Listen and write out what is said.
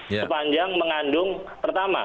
sepanjang mengandung pertama